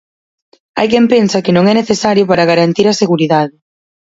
Hai quen pensa que non é necesario para garantir a seguridade.